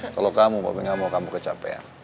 kalau kamu bapak gak mau kamu kecapean